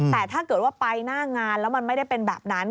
แต่ถ้าเกิดว่าไปหน้างานแล้วมันไม่ได้เป็นแบบนั้น